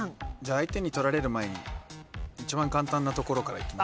相手に取られる前に一番簡単なところからいきます。